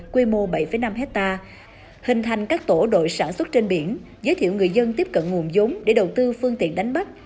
quy mô bảy năm hectare hình thành các tổ đội sản xuất trên biển giới thiệu người dân tiếp cận nguồn giống để đầu tư phương tiện đánh bắt